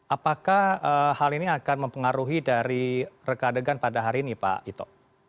apakah hal ini akan mempengaruhi dari reka adegan pada hari ini pak ito